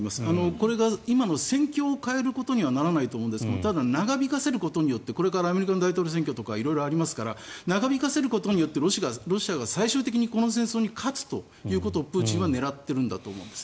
これが今の戦況を変えることにはならないと思うんですがただ長引かせることでアメリカの大統領選挙とかありますから、長引かせることでロシアが最終的にこの戦争に勝つということをプーチンは狙っていると思います。